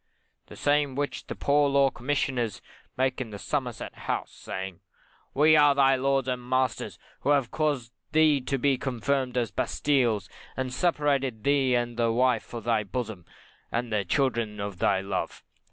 The same which the Poor Law Commissioners make in Somerset House, saying, We are thy lords and masters, who have caused thee to be confined as in bastiles, and separated thee and the wife of thy bosom, and the children of thy love.